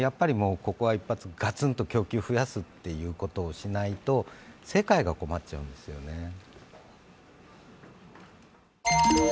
ここは一発、ガツンと供給を増やすということをしないと世界が困っちゃうんですよね。